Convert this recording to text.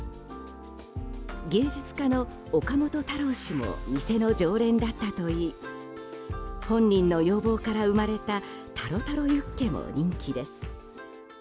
芸術家の岡本太郎氏も店の常連だったといい本人の要望から生まれたタロタロユッケも人気です。